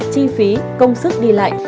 chi phí công sức đi lại